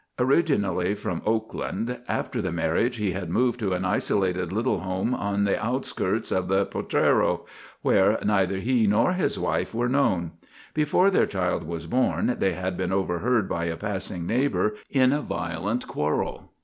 Originally from Oakland, after the marriage he had moved to an isolated little home in the outskirts of the Potrero, where neither he nor his wife were known. Before their child was born they had been overheard by a passing neighbour in a violent quarrel.